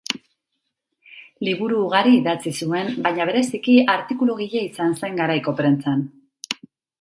Liburu ugari idatzi zuen baina bereziki artikulugile izan zen garaiko prentsan.